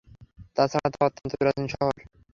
তাছাড়া তা অত্যন্ত প্রাচীন শহর।